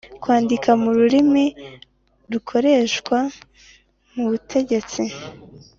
kwandika mu rurimi rukoreshwa mu butegetsi